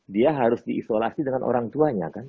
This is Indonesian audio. dia harus diisolasi dengan orang tuanya kan